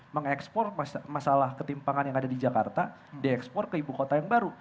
mengekspor masalah ketimpangan yang ada di jakarta diekspor ke ibu kota yang baru